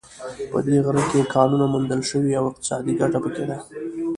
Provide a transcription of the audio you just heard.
په دې غره کې کانونو موندل شوې او اقتصادي ګټه په کې ده